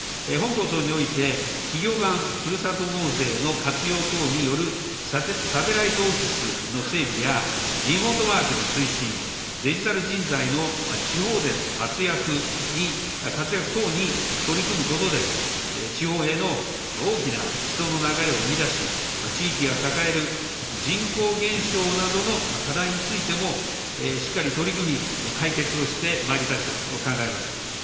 本構想において、企業版ふるさと納税の活用等によるサテライトオフィスの整備やリモートワークの推進、デジタル人材の地方での活躍に、活躍等に取り組むことで、地方への大きな人の流れを生み出し、地域が抱える人口減少などの課題についてもしっかり取り組み、解決をしてまいりたいと考えます。